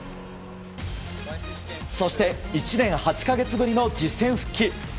そして１年８か月ぶりの実戦復帰。